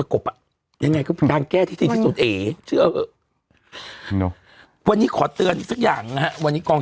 ประกบอ่ะยังไงก็การแก้ทิศทีสุดเอกอ่ะวันนี้ขอเตือนสิกาอย่างะวันนี้กอง